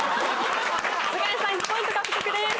すがやさん１ポイント獲得です。